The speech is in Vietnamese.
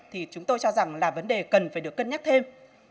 thì chúng tôi cho rằng là vấn đề cần phải được cân nhắc thêm